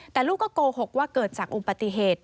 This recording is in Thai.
แต่ลูกก็โกหกว่าเกิดจากอุบัติเหตุ